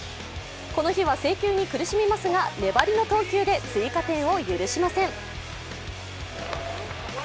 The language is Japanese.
この日は制球に苦しみますが粘りの投球で追加点を許しません。